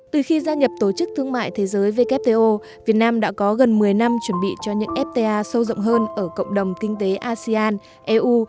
từ khi gia nhập tổ chức thương mại thế giới wto việt nam đã có gần một mươi năm chuẩn bị cho những fta sâu rộng hơn ở cộng đồng kinh tế asean eu